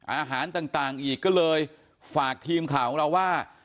อาหารต่างอีกก็เลยฝากทีมข่าวของเราว่า